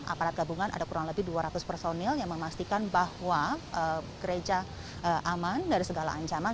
aparat gabungan ada kurang lebih dua ratus personil yang memastikan bahwa gereja aman dari segala ancaman